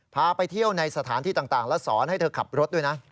ไปสถานที่ต่างและสอนให้เธอขับรถด้วยนะ